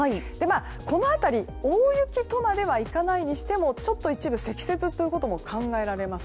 この辺り大雪とまではいかないにしてもちょっと一部積雪ということも考えられます。